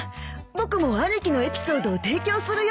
僕も兄貴のエピソードを提供するよ。